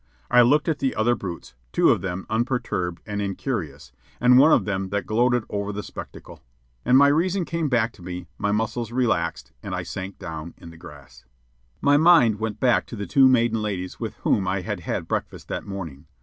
I looked at the other brutes, two of them unperturbed and incurious, and one of them that gloated over the spectacle; and my reason came back to me, my muscles relaxed, and I sank down in the grass. My mind went back to the two maiden ladies with whom I had had breakfast that morning.